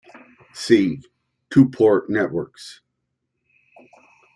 "See" Two-port networks.